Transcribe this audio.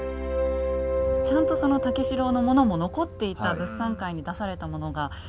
ちゃんとその武四郎の物も残っていた物産会に出された物が。